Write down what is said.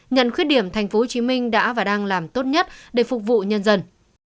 nhận khuyết điểm tp hcm đã và đang làm tốt nhất để phục vụ nhân dân